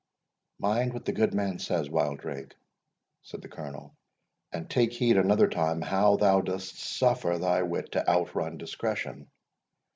"Mind what the good man says, Wildrake," said the Colonel; "and take heed another time how thou dost suffer thy wit to outrun discretion."